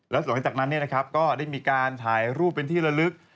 แล้วหลังจากนั้นก็ได้มีการถ่ายรูปเป็นที่ละลึก